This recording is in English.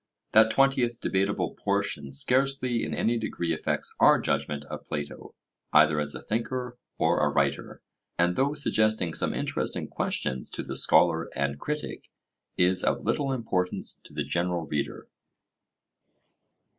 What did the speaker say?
That twentieth debatable portion scarcely in any degree affects our judgment of Plato, either as a thinker or a writer, and though suggesting some interesting questions to the scholar and critic, is of little importance to the general reader.